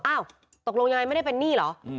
ตกลงยังไงไม่ได้เป็นหนี้เหรอ